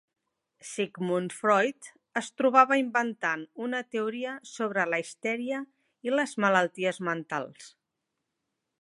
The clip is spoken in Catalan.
Sigmund Freud es trobava inventant una teoria sobre la histèria i les malalties mentals.